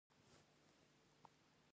ما ورته د خپلو اولادونو مثالونه ورکړل.